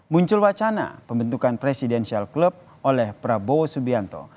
muncul wacana pembentukan presidensial club oleh prabowo subianto